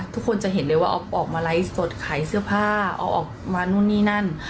ทุกคนจะเห็นเลยว่าออฟออกมาไลฟ์สดขายเสื้อผ้าออฟออกมานู่นนี่นั่น